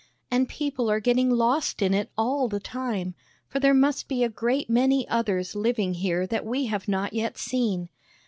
And people are getting lost in it all the time, for there must be a great many others living here that we have not yet seen.